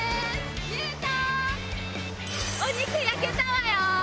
お肉焼けたわよ！